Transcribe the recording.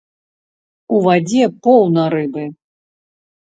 У вадзе поўна рыбы.